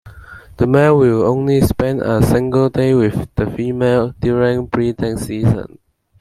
The male will only spend a single day with the female during breeding season.